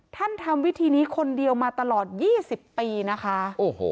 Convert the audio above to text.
ทำวิธีนี้คนเดียวมาตลอด๒๐ปีนะคะ